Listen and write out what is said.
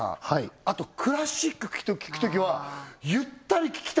あとクラシック聴くときはゆったり聴きたいじゃない